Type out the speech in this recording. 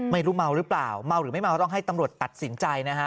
ไม่รู้เมาหรือเปล่าเมาหรือไม่เมาต้องให้ตำรวจตัดสินใจนะฮะ